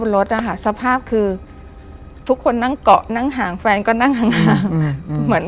เราก็เดิน